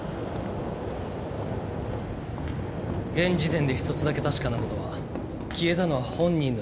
現時点で一つだけ確かな事は消えたのは本人の意思って事だ。